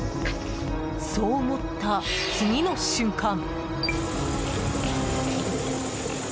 そう思った、次の瞬間。